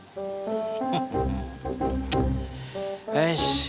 uang dan harta